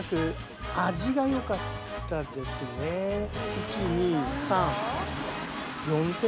１・２・３。